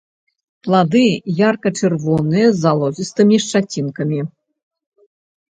Плады ярка-чырвоныя, з залозістымі шчацінкамі.